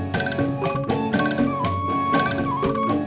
semarang semarang semarang